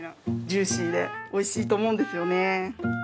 ジューシーでおいしいと思うんですよね。